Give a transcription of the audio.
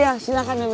iya silahkan bebe